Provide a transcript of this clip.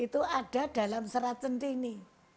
itu ada dalam surat centini